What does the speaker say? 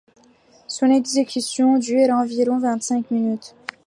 Son exécution dure environ vingt-cinq minutes.